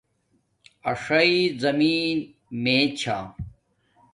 اݽݵ زمین میے چھا